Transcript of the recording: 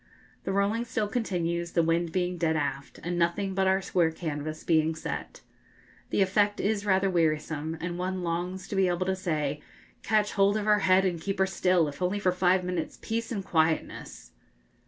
The rolling still continues, the wind being dead aft, and nothing but our square canvas being set. The effect is rather wearisome, and one longs to be able to say 'Catch hold of her head and keep her still, if only for five minutes' peace and quietness!'